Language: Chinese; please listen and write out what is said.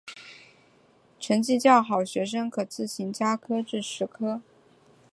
成绩较好学生可自行加科至十科。